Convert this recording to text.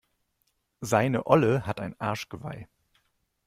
Seine Olle hat ein Arschgeweih.